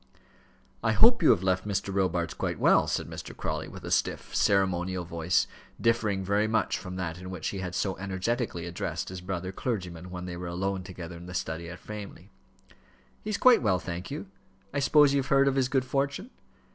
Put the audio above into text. "I hope you have left Mr. Robarts quite well," said Mr. Crawley, with a stiff, ceremonial voice, differing very much from that in which he had so energetically addressed his brother clergyman when they were alone together in the study at Framley. "He is quite well, thank you. I suppose you have heard of his good fortune?"